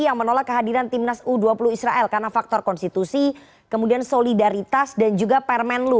yang menolak kehadiran timnas u dua puluh israel karena faktor konstitusi kemudian solidaritas dan juga permenlu